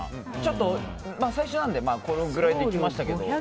最初なんでこれぐらいでいきましたけど。